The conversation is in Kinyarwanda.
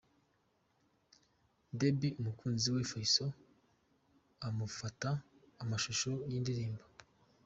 Debby umukunzi we fayzo amufata amashusho y'indirimbo.